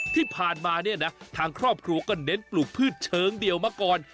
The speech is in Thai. ที่ผ่านมาเนี่ยนะทางครอบครัวก็เน้นปลูกพืชเชิงเดี่ยวมาก่อน